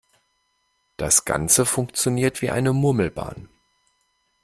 Das Ganze funktioniert wie eine Murmelbahn.